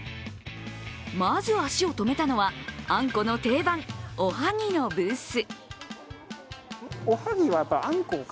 まず足を止めたのは、あんこの定番おはぎのブース。